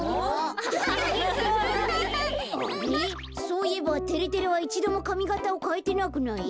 そういえばてれてれはいちどもかみがたをかえてなくない？